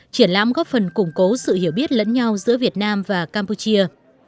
triển lãm góp phần củng cố sự hiểu biết lẫn nhau giữa việt nam và campuchia